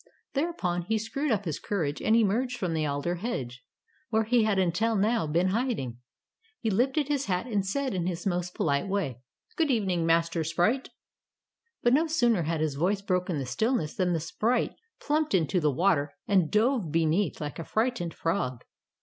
Thereupon, he screwed up his courage and emerged from the alder hedge, where he had until now been hiding. He lifted his hat, and said in his most polite way, "Good evening. Master Sprite." But no sooner had his voice broken the stillness, than the sprite plumped into the water and dove beneath like a frightened frog.